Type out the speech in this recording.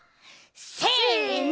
せの！